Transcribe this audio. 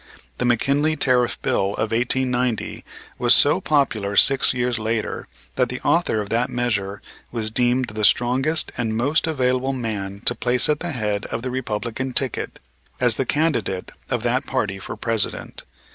The McKinley Tariff Bill of 1890 was so popular six years later, that the author of that measure was deemed the strongest and most available man to place at the head of the Republican ticket as the candidate of that party for President.